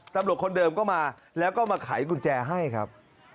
ตำรวจคนเดิมก็มาแล้วก็มาไขกุญแจให้ครับ